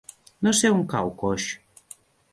No sé on cau Coix.